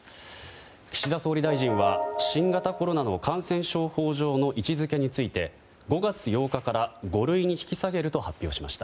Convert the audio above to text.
岸田総理大臣は新型コロナの感染症法上の位置づけについて５月８日から五類に引き下げると発表しました。